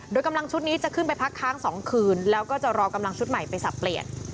โดยกำลังชุดนี้จะขึ้นไปพักค้าง๒คืนแล้วก็จะรอกำลังชุดใหม่ไปสับเปลี่ยน